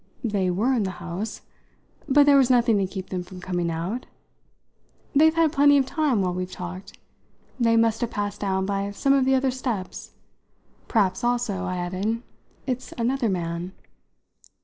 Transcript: "They were in the house, but there was nothing to keep them from coming out. They've had plenty of time while we've talked; they must have passed down by some of the other steps. Perhaps also," I added, "it's another man."